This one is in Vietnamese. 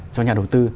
cho nhà đầu tư